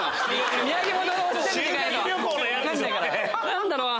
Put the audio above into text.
何だろう？